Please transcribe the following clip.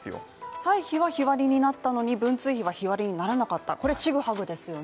歳費は日割りになったのに文通費は日割りにならなかったこれちぐはぐですよね